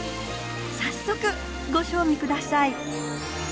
早速ご賞味ください。